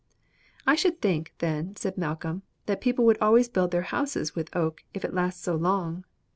"I should think, then," said Malcolm, "that people would always build their houses with oak if it lasts so long."